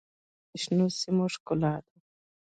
مېوې د افغانستان د شنو سیمو ښکلا ده.